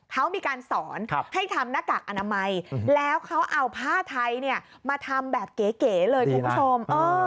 เขามีการสอนให้ทำหน้ากากอนามัยแล้วเขาเอาผ้าไทยมาทำแบบเก๋เลยคุณผู้ชม